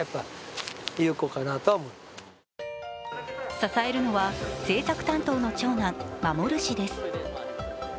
支えるのは政策担当の長男・守氏です。